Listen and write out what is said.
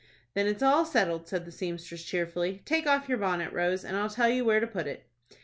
"Then it's all settled," said the seamstress, cheerfully. "Take off your bonnet, Rose, and I'll tell you where to put it."